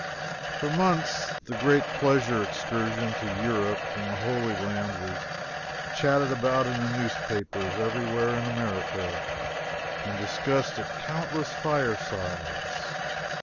For months the great pleasure excursion to Europe and the Holy Land was chatted about in the newspapers everywhere in America and discussed at countless firesides.